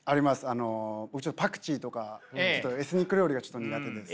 あのパクチーとかエスニック料理がちょっと苦手です。